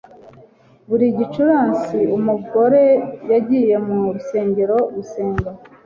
buri gicamunsi, umugore yagiye mu rusengero gusenga